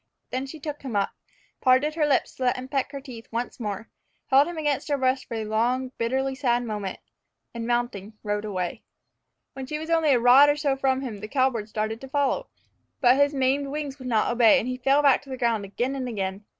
Then she took him up, parted her lips to let him peck her teeth once more, held him against her breast for a long, bitterly sad moment, and mounting, rode away. When she was only a rod or so from him, the cowbird tried to follow. But his maimed wings would not obey, and he fell back to the ground again and again.